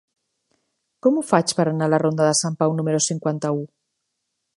Com ho faig per anar a la ronda de Sant Pau número cinquanta-u?